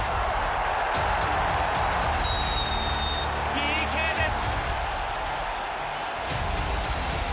ＰＫです。